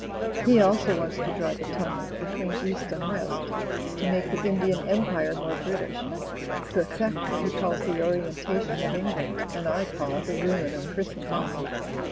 He also wants to drive a tunnel — ^between East and West — ^to make the Indian Empire more British; to eflfect what he calls the orientation of Eng land, and I call the ruin of Christendom.